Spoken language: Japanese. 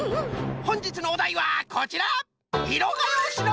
ほんじつのおだいはこちら！